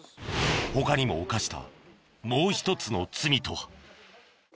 他にも犯したもう一つの罪とは。